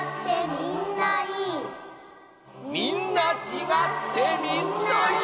みんなちがってみんないい。